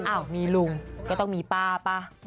อ้าวมีลุงก็ต้องมีป้าป่ะ